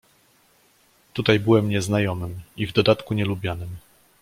"Tutaj byłem nieznajomym i w dodatku nielubianym."